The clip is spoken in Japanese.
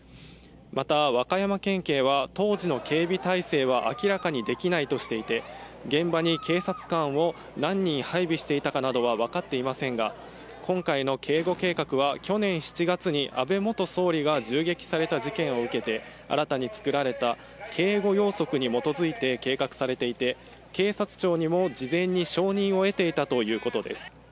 また、和歌山県警は当時の警備態勢は明らかにできないとしていて、現場に警察官を何人配備していたかなどのは分かっていませんが今回の警護計画は去年７月に安倍元総理が銃撃された事件を受けて新たに作られた警備要則に基づいて計画されていて、警察庁にも事前に承認を得ていたということです。